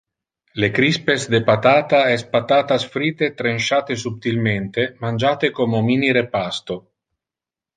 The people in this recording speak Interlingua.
Le crispes de patata es patatas frite trenchate subtilmente, mangiate como mini-repasto.